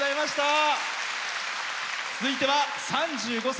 続いては、３５歳。